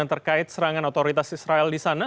terkait serangan otoritas israel di sana